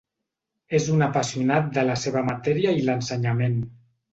És un apassionat de la seva matèria i l'ensenyament.